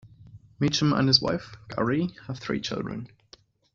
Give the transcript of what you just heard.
Meacham and his wife, Gari, have three children.